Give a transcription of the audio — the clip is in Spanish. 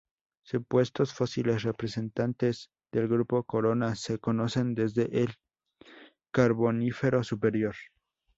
Supuestos fósiles representantes del grupo corona se conocen desde el Carbonífero superior.